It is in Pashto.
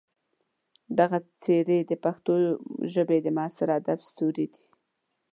دغه څېرې د پښتو ژبې د معاصر ادب ستوري دي.